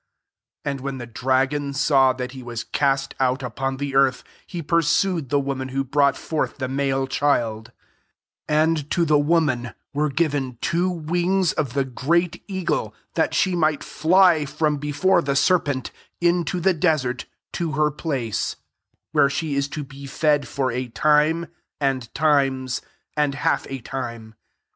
IS And when the dragon saw that he was cast out upon the earth, he pursued the woman who brought forth the male ckUL 14 And to the woman were given two wings of the great eagle, that she might fly^ from before' the serpent, into the de sert, to her place, where she is 10 be fear for a time and times and half a time.